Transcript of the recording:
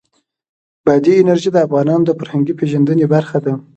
بادي انرژي د افغانانو د فرهنګي پیژندنې برخه ده.